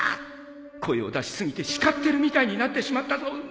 声を出しすぎて叱ってるみたいになってしまったぞ